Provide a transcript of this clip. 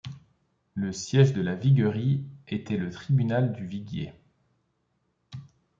Le siège de la viguerie était le tribunal du viguier.